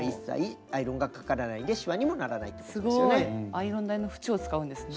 アイロン台の縁を使うんですね。